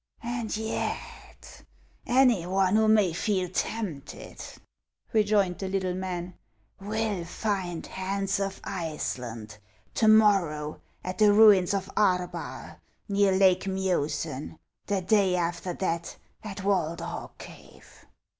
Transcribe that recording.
" And yet any one who may feel tempted," rejoined the little man, " will find Hans of Iceland to morrow at the ruins of Arbar, near Lake Miosen ; the day after that at Walderhog cave."